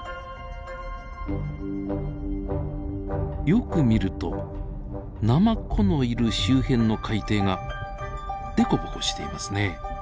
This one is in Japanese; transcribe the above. よく見るとナマコのいる周辺の海底が凸凹していますね。